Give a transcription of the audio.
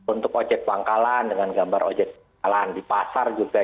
untuk ojek pangkalan dengan gambar ojek pangkalan di pasar juga